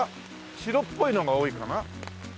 白っぽいのが多いかな。